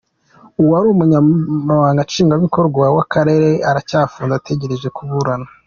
Uwari Umunyamabanga Nshingwabikorwa w’Akarere aracyafunze ategereje kuburana.